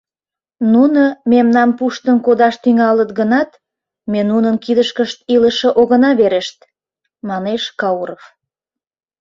— Нуно мемнам пуштын кодаш тӱҥалыт гынат, ме нунын кидышкышт илыше огына верешт, — манеш Кауров.